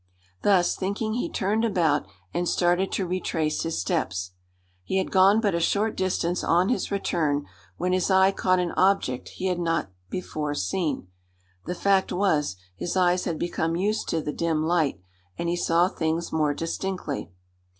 Thus thinking he turned about and started to retrace his steps. He had gone but a short distance on his return when his eye caught an object he had not before seen. The fact was, his eyes had become used to the dim light, and he saw things more distinctly.